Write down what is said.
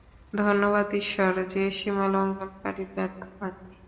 ধন্যবাদ ঈশ্বর যে সীমালঙ্ঘনকারী ব্যর্থ হয়!